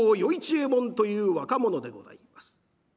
右衛門という若者でございます。